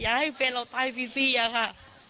อยากให้เฟนเราตายฟรีค่ะ